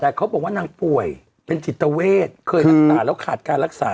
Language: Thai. แต่เขาบอกว่านางป่วยเป็นจิตเวทเคยรักษาแล้วขาดการรักษา